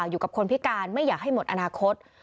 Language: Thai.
อยู่กับคนพิการไม่อยากให้หมดอนาคต